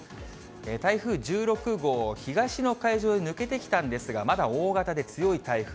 台風１６号、東の海上に抜けてきたんですが、まだ大型で強い台風。